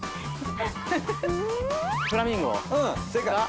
フラミンゴが。